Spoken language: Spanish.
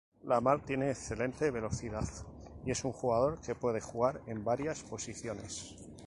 Lamar tiene excelente velocidad y es un jugador que puede jugar en varias posiciones.